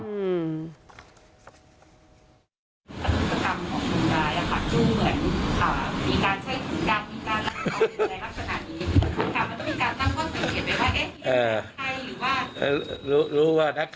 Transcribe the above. ธุรกรรมของคุณกายขาดจูงเหมือนมีการใช้ของการมีการรักษาบริเวณรักษณะนี้คุณค่ะ